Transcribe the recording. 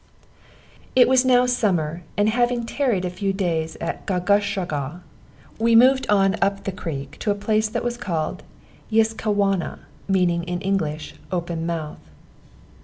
It was now summer; and having tarried a few days at Gawgushshawga, we moved on up the creek to a place that was called Yis kah wa na, (meaning in English open mouth.)